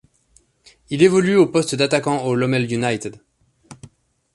Il évolue au poste d'attaquant au Lommel United.